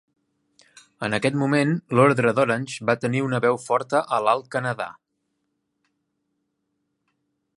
En aquest moment, l'ordre d'Orange va tenir una veu forta a l'Alt Canadà.